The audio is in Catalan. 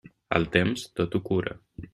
El temps, tot ho cura.